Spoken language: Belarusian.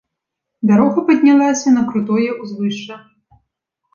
Дарога паднялася на крутое ўзвышша.